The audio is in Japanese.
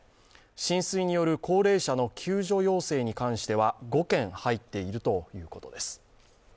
浸水による高齢者の救助要請に関しては５件入っているということです。